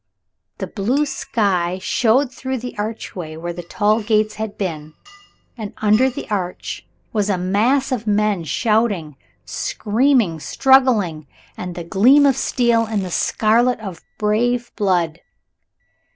The blue sky showed through the archway where the tall gates had been and under the arch was a mass of men shouting, screaming, struggling, and the gleam of steel and the scarlet of brave blood.